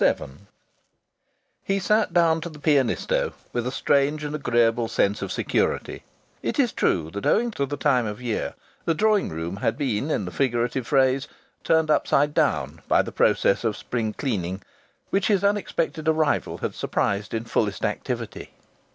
VII He sat down to the pianisto with a strange and agreeable sense of security. It is true that, owing to the time of year, the drawing room had been, in the figurative phrase, turned upside down by the process of spring cleaning, which his unexpected arrival had surprised in fullest activity.